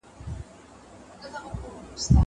زه پرون د کتابتون پاکوالی کوم.